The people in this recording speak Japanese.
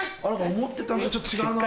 思ってたのとちょっと違うな。